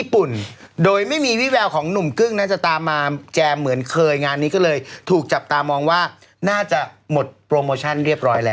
โดยไม่มีวิแววของหนุ่มกึ้งน่าจะตามมาแจมเหมือนเคยงานนี้ก็เลยถูกจับตามองว่าน่าจะหมดโปรโมชั่นเรียบร้อยแล้ว